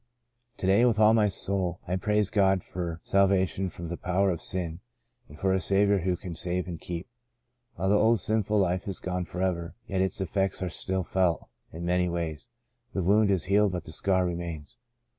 " To day with all my soul I praise God for salvation from the power of sin, and for a Saviour who can save and keep. While the old sinful life is gone forever, yet its effects are still felt in many ways. The wound is healed but the scar remains.